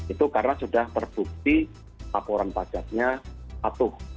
itu karena sudah terbukti laporan pajaknya patuh